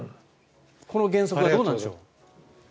この原則はどうなんでしょう。